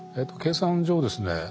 計算上ですね